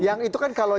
yang itu kan kalau